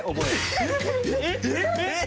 えっ！